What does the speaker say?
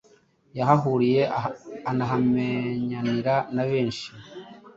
yahahuriye anahamenyanira na benshi.